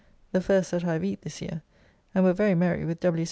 ] (the first that I have eat this year), and were very merry with W.